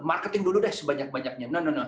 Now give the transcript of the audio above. marketing dulu deh sebanyak banyaknya